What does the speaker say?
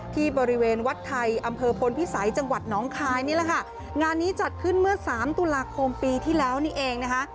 ที่บริเวณวัดไทยอำเภอพลพิสัยจังหวัดน้องคายนี่แหละค่ะงานนี้จัดขึ้นเมื่อสามตุลาคมปีที่แล้วนี่เองนะคะ